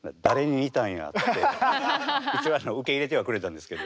一応受け入れてはくれたんですけど。